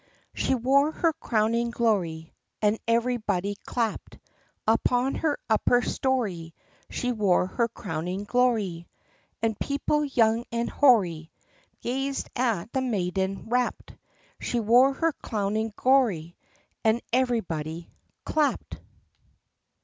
B She wore her crowning glory And everybody clapped. Upon her upper story She wore her crowning glory , And people , young and hoary , Gazed at the maiden , rapt. She wore her crowning glory And everybody clapped!